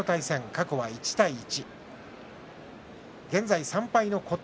過去は１対１。